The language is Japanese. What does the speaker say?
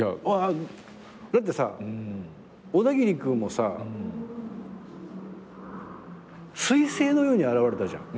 だってさオダギリ君もさ彗星のように現れたじゃん。